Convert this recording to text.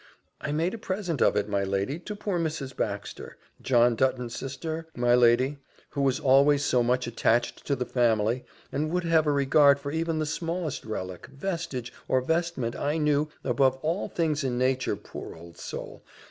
"I made a present of it, my lady, to poor Mrs. Baxter, John Dutton's sister, my lady, who was always so much attached to the family, and would have a regard for even the smallest relic, vestige, or vestment, I knew, above all things in nature, poor old soul!